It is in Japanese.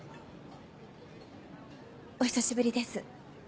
お久しぶりです。